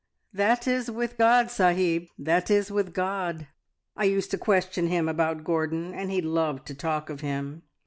`That is with God, sahib that is with God!' I used to question him about Gordon, and he loved to talk of him.